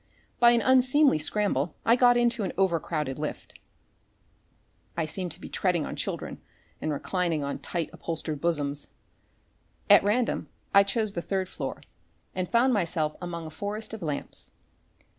By an unseemly scramble I got into an over crowded lift. I seemed to be treading on children and reclining on tight, upholstered bosoms. At random, I chose the third floor and found myself among a forest of lamps.